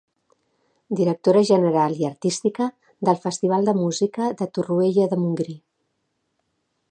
Directora general i artística del Festival de Música de Torroella de Montgrí.